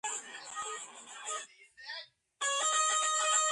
მდინარე არყალის სათავეებში.